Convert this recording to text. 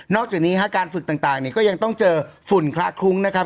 จากนี้การฝึกต่างก็ยังต้องเจอฝุ่นคละคลุ้งนะครับ